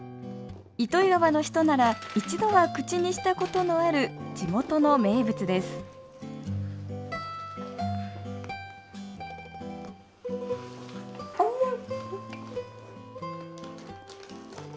糸魚川の人なら一度は口にしたことのある地元の名物です甘い。